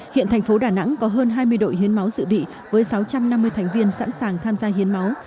hiện thành phố đà nẵng có hơn hai mươi đội hiến máu dự bị với sáu trăm năm mươi thành viên sẵn sàng tham gia hiến máu